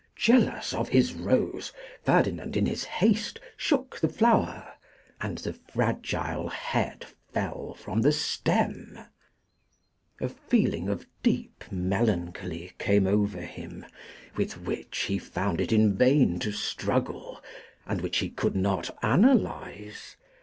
Jealous of his rose, Ferdinand, in his haste, shook the flower, and the fragile head fell from the stem! A feeling of deep melancholy came over him, with which he found it in vain to struggle, and which he could not analyse.